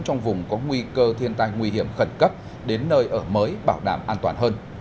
trong vùng có nguy cơ thiên tai nguy hiểm khẩn cấp đến nơi ở mới bảo đảm an toàn hơn